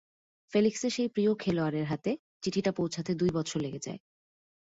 ফেলিক্সের সেই প্রিয় খেলোয়াড়ের হাতে চিঠিটা পৌঁছাতে দুই বছর লেগে যায়।